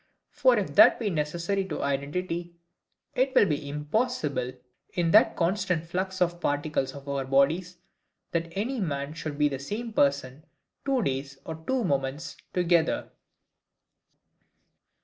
For if that be necessary to identity, it will be impossible, in that constant flux of the particles of our bodies, that any man should be the same person two days, or two moments, together.